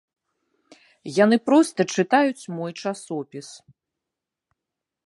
Яны проста чытаюць мой часопіс.